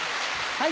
はい。